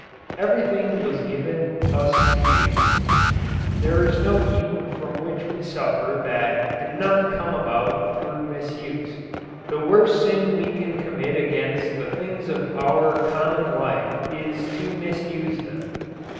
Everything was given us to use. There is no evil from which we suffer that did not come about through misuse. The worst sin we can commit against the things of our common life is to misuse them.